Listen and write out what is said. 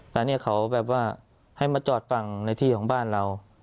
แต่เนี่ยเขาแบบว่าให้มาจอดฝั่งในที่ของบ้านเรา